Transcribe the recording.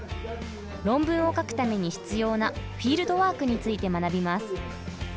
論文を書くために必要なフィールドワークについて学びます。